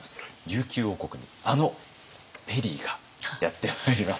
琉球王国にあのペリーがやって参ります。